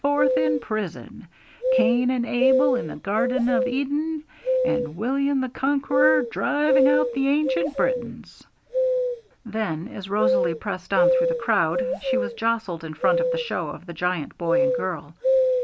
in prison; Cain and Abel in the Garden of Eden, and William the Conqueror driving out the ancient Britons!' Then, as Rosalie pressed on through the crowd, she was jostled in front of the show of the Giant Boy and Girl.